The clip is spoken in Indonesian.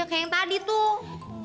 kayak yang tadi tuh